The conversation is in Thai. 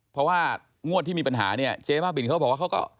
เพราะว่างวัดที่มีปัญหาเจ๊บ้าบิลเขาบอกว่า